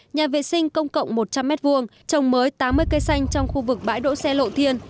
nhà vệ sinh công cộng một trăm linh m hai trồng mới tám mươi cây xanh trong khu vực bãi đỗ xe lộ thiên